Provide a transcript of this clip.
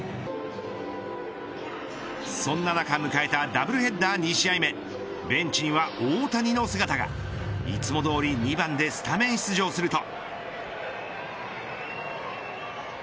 そんな中迎えたダブルヘッダー２試合目ベンチには大谷の姿がいつもどおり２番でスタメン出場すると。